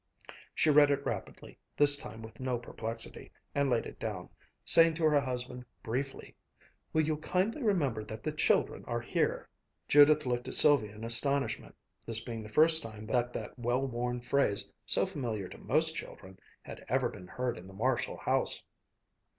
She read it rapidly, this time with no perplexity, and laid it down, saying to her husband, briefly, "Will you kindly remember that the children are here?" Judith looked at Sylvia in astonishment, this being the first time that that well worn phrase, so familiar to most children, had ever been heard in the Marshall house.